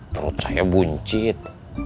perut saya buncit